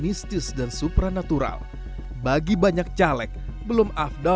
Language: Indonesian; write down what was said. maya di sini penyakit itu paling banyak sekali di sini